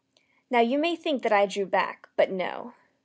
Now you may think that I drew back but no.